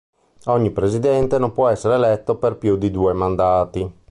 Ogni presidente non può essere eletto per più di due mandati.